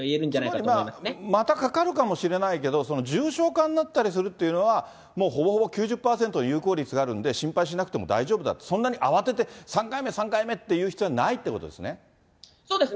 つまりまあ、またかかるかもしれないけど、重症化になったりするっていうのは、もうほぼほぼ９０％有効率があるんで、心配しなくても大丈夫だって、そんなに慌てて、３回目、３回目って言う必要はないってことですね。